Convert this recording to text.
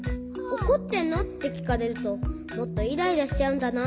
「おこってんの？」ってきかれるともっとイライラしちゃうんだな。